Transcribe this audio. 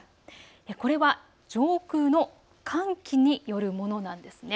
これは上空の寒気によるものなんです。